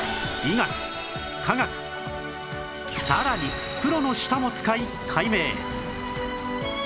さらにプロの舌も使い解明